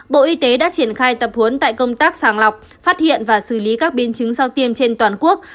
bộ y tế đã triển khai tập huấn tại công tác sàng lọc phát hiện và xử lý các biến chứng sau tiêm trên toàn quốc